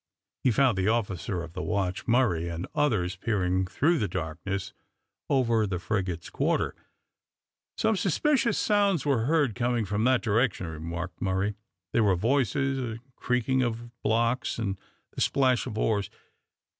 He found the officer of the watch, Murray, and others peering through the darkness, over the frigate's quarter. "Some suspicious sounds were heard coming from that direction," remarked Murray. "There were voices, and creaking of blocks, and the splash of oars.